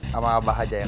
mama sama abah aja diemi